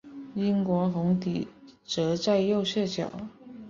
英国红底则在右下角。